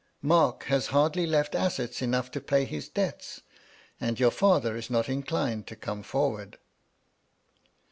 "Mark has hardly left assets enough to pay his debts, and your father is not inclined to come forward."